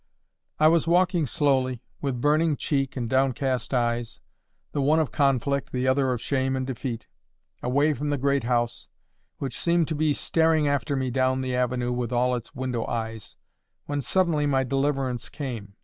I was walking slowly, with burning cheek and downcast eyes, the one of conflict, the other of shame and defeat, away from the great house, which seemed to be staring after me down the avenue with all its window eyes, when suddenly my deliverance came.